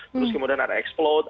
terus kemudian ada explode